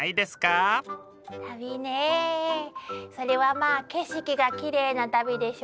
旅ねそれはまあ景色がきれいな旅でしょ。